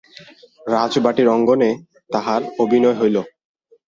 রাজবাটির অঙ্গনে তাহার অভিনয় হইল।